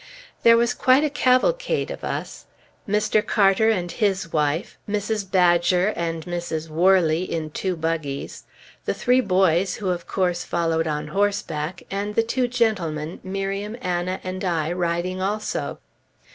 There was quite a cavalcade of us: Mr. Carter and his wife, Mrs. Badger and Mrs. Worley, in two buggies; the three boys, who, of course, followed on horseback, and the two gentlemen, Miriam, Anna, and I, riding also.